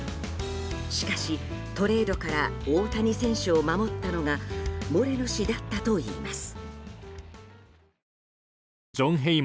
しかし、トレードから大谷選手を守ったのがモレノ氏だったといいます。